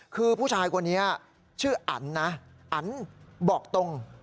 คือผู้ชายคนนี้ชื่ออันนะอันบอกตรง